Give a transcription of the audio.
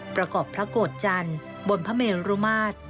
ประกอบพระโกรธจันทร์บนพระเมรุมาตร